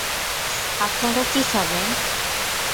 আপনারা কী খাবেন?